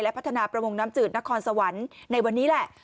พัฒนาประมงน้ำจืดนครสวรรค์ในวันนี้แหละ